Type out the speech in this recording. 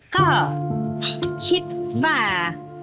ก็คิดบ้า